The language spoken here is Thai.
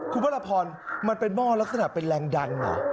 ครุกพระพรมันเป็นม่อลักษณะเป็นแรงดังน่ะ